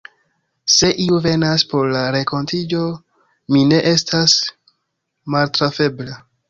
Se iu venas por la renkontiĝo, mi ne estas maltrafebla.